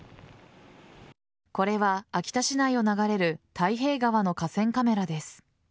これは秋田市内を流れる太平川の河川カメラです。